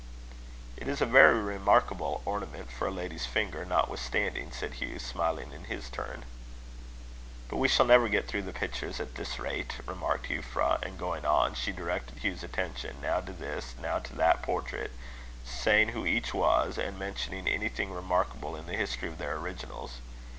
"It is a very remarkable ornament for a lady's finger, notwithstanding," said Hugh, smiling in his turn. "But we shall never get through the pictures at this rate," remarked Euphra; and going on, she directed Hugh's attention now to this, now to that portrait, saying who each was, and mentioning anything remarkable in the history of their originals.